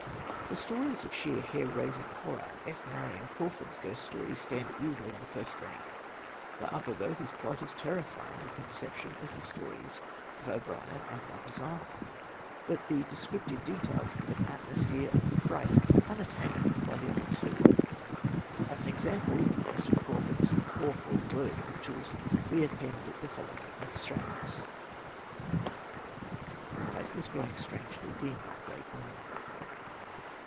For stories of sheer hair raising horror, F. Marion Craw ford's Ghost Stories stand easily in the first rank. "The Upper Berth" is quite as terrifying a conception as the stories of O'Brien and Maupassant, but the descriptive details give an atmosphere of fright imattained by the other two. As an example of Mr. Crawford's awful word pictures we append the following extracts: The light was growing strangely dim in the great room.